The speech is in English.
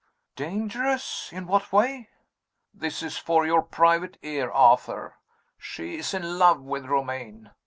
"Dangerous! In what way?" "This is for your private ear, Arthur. She is in love with Romayne.